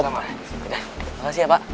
terima kasih ya pak